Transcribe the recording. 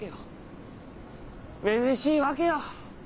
女々しいわけよ。